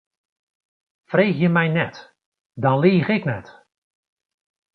Freegje my net, dan liich ik net.